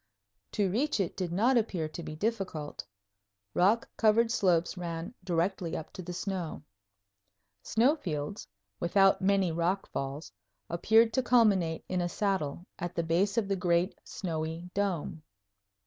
To reach it did not appear to be difficult. Rock covered slopes ran directly up to the snow. Snow fields, without many rock falls, appeared to culminate in a saddle at the base of the great snowy dome.